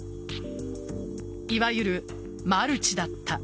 いわゆるマルチだった。